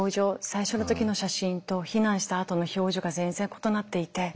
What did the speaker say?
最初の時の写真と避難したあとの表情が全然異なっていて。